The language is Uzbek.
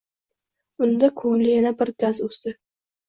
Unda koʻngli yana bir gaz oʻsdi.